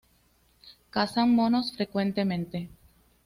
Cazan monos frecuentemente.